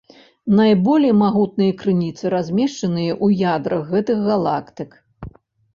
Найболей магутныя крыніцы размешчаныя ў ядрах гэтых галактык.